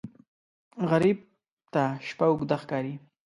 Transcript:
غریب ته شپه اوږده ښکاري